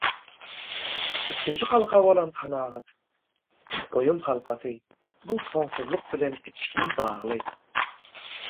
Üçünji halka bolan kanagat-doýum halkasy bu soňsuzlyk bilen içgin bagly.